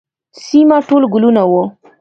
سیمه ټول ګلونه وه.